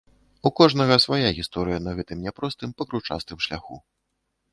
У кожнага свая гісторыя на гэтым няпростым, пакручастым шляху.